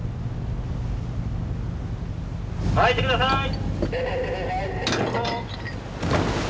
巻いてください！